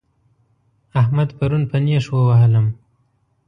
احمد پرون په نېښ ووهلم